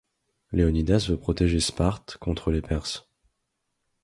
Léonidas veut protéger Sparte contre les Perses.